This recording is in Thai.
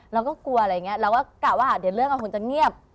เราก็กลัวอะไรอย่างนี้เราก็กะว่าเดี๋ยวเรื่องเราคงจะเงียบ